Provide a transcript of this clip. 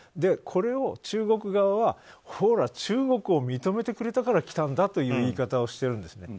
これを中国側はほら、中国を認めてくれたから来たんだという言い方をしてるんです。